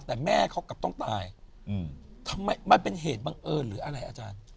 แต่แม่เขากลับต้องตายทำไมมันเป็นเหตุบังเอิญหรืออะไรอาจารย์